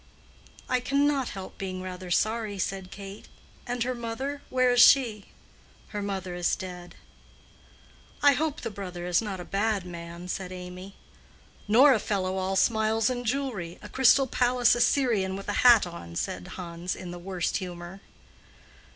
"I cannot help being rather sorry," said Kate. "And her mother?—where is she?" "Her mother is dead." "I hope the brother is not a bad man," said Amy. "Nor a fellow all smiles and jewelry—a Crystal Palace Assyrian with a hat on," said Hans, in the worst humor.